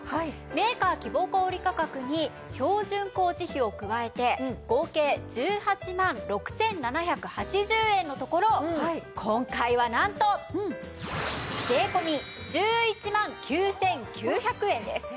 メーカー希望小売価格に標準工事費を加えて合計１８万６７８０円のところ今回はなんと税込１１万９９００円です。